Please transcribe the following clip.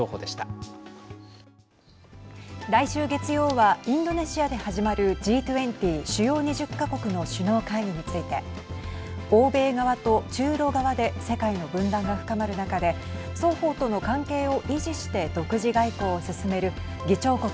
来週月曜はインドネシアで始まるＧ２０＝主要２０か国の首脳会議について欧米側と中ロ側で世界の分断が深まる中で双方との関係を維持して独自外交を進める議長国